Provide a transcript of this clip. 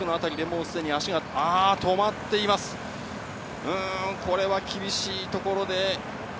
うーん、これは厳しいところで。